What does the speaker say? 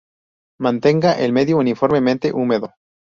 Mantenga el medio uniformemente húmedo.